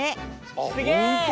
すげえ！